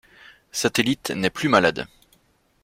Satellite n’est plus malade.